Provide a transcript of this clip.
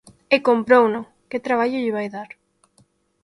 E comprouno! que traballo lle vai dar.